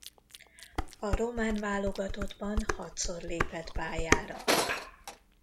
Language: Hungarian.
A román válogatottban hatszor lépett pályára.